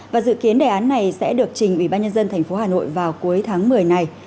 và dự kiến đề án này sẽ được trình ủy ban nhân dân tp hà nội vào cuối tháng một mươi này